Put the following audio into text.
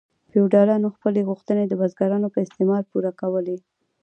فیوډالانو خپلې غوښتنې د بزګرانو په استثمار پوره کولې.